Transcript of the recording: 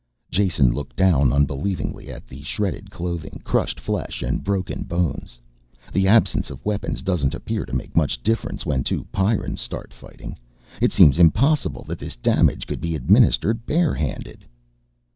Jason looked down unbelievingly at the shredded clothing, crushed flesh and broken bones. "The absence of weapons doesn't appear to make much difference when two Pyrrans start fighting. It seems impossible that this damage could be administered bare handed."